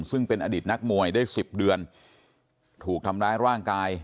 ซึ่งเป็นอดีตนักมวยได้๑๐เดือนถูกทำร้ายร่างกาย